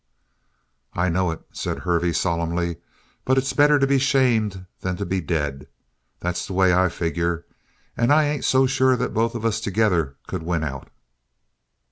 "I know it," said Hervey solemnly. "But it's better to be shamed than to be dead. That's the way I figure. And I ain't so sure that both of us together could win out."